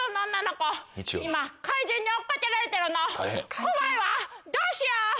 怖いわどうしよう！